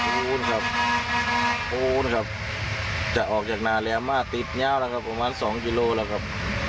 นู้นครับปูนครับจะออกจากนานแล้วมาติดยาวแล้วครับประมาณสองกิโลแล้วครับ